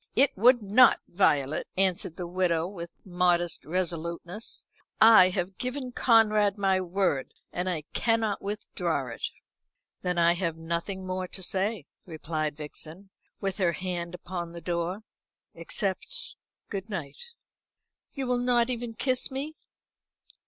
"It would not. Violet," answered the widow, with modest resoluteness. "I have given Conrad my word. I cannot withdraw it." "Then I have nothing more to say," replied Vixen, with her hand upon the door, "except good night." "You will not even kiss me?"